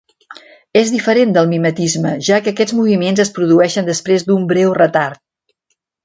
És diferent del mimetisme, ja que aquests moviments es produeixen després d'un breu retard.